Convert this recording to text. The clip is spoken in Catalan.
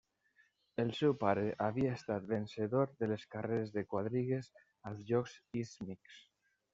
El seu pare havia estat vencedor de les carreres de quadrigues als Jocs Ístmics.